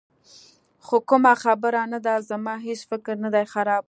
خو کومه خبره نه ده، زما هېڅ فکر نه دی خراب.